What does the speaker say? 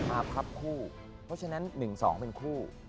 พับคู่เพราะฉะนั้น๑๒เป็นคู่